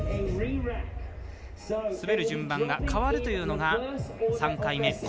滑る順番が変わるというのが３回目。